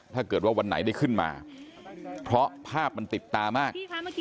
ถ้าเกิดว่าวันไหนได้ขึ้นมาเพราะภาพมันติดตามาก